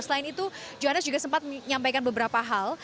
selain itu johannes juga sempat menyampaikan beberapa hal